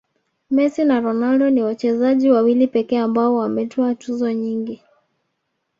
messi na ronaldo ni wachezaji wawili pekee ambao wametwaa tuzo nyingi